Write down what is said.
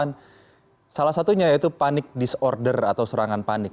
dan salah satunya yaitu panik disorder atau serangan panik